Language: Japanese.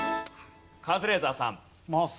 カズレーザーさん。